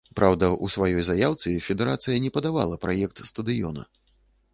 Праўда, у сваёй заяўцы федэрацыя не падавала праект стадыёна.